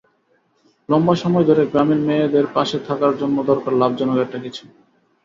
লম্বা সময় ধরে গ্রামের মেয়েদের পাশে থাকার জন্য দরকার লাভজনক একটা কিছু।